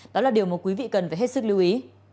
đó là điều mà quý vị cần phải hết sức lưu ý